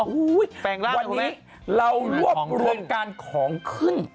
วันนี้เรารวบรวมการของขึ้น